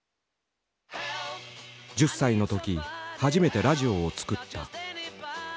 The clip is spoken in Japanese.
１０歳の時初めてラジオを作った。